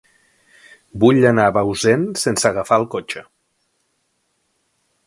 Vull anar a Bausen sense agafar el cotxe.